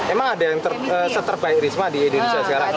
emang ada yang seterbaik risma di indonesia sekarang